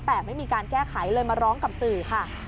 แต่ไม่มีการแก้ไขเลยมาร้องกับสื่อค่ะ